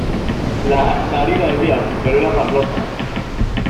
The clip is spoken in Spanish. La harina, decían, pero era farlopa.